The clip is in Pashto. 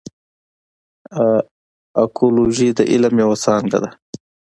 اکولوژي د علم یوه څانګه ده.